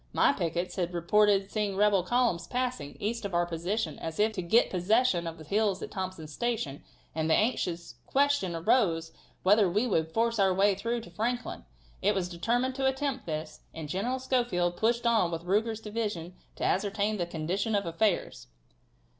My pickets had reported seeing rebel columns passing, east of our position, as if to get possession of the hills at Thompson's Station, and the anxious question arose whether we could force our way through to Franklin. It was determined to attempt this, and General Schofield pushed on with Ruger's division to ascertain the condition of affairs."